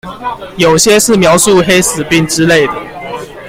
有些是描述黑死病之類的